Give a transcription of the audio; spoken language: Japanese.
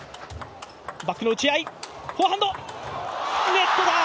ネットだ。